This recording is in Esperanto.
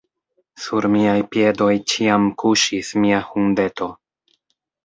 Sur miaj piedoj ĉiam kuŝis mia hundeto.